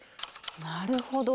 なるほど！